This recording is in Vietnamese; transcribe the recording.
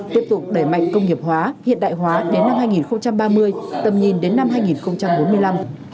tiếp tục đẩy mạnh công nghiệp hóa hiện đại hóa đến năm hai nghìn ba mươi tầm nhìn đến năm hai nghìn bốn mươi năm